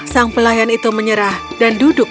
sang pelayan itu menyerah dan duduk